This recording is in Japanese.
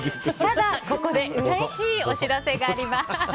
ここでうれしいお知らせがあります。